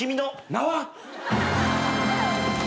名は？